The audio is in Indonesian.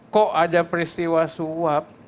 kok ada peristiwa suap